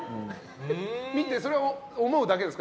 見て、それは思うだけですか？